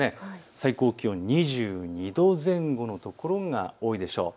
最高気温２２度前後の所が多いでしょう。